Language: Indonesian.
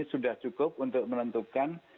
sudah cukup untuk menentukan